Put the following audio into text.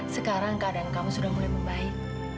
sekarang keadaan kamu sudah mulai membaik